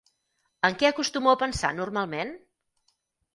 En què acostumo a pensar normalment?